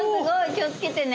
気をつけてね。